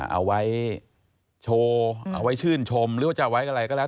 เอาไว้โชว์เอาไว้ชื่นชมหรือว่าจะไว้อะไรก็แล้ว